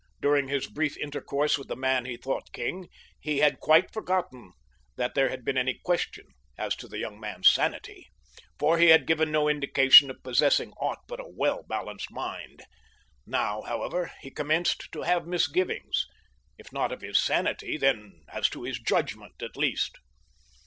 During his brief intercourse with the man he thought king he had quite forgotten that there had been any question as to the young man's sanity, for he had given no indication of possessing aught but a well balanced mind. Now, however, he commenced to have misgivings, if not of his sanity, then as to his judgment at least.